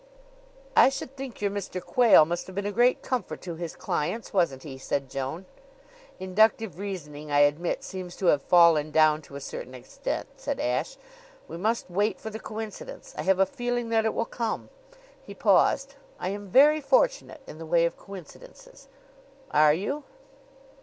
"I should think your Mr. Quayle must have been a great comfort to his clients, wasn't he?" said Joan. "Inductive reasoning, I admit, seems to have fallen down to a certain extent," said Ashe. "We must wait for the coincidence. I have a feeling that it will come." He paused. "I am very fortunate in the way of coincidences." "Are you?"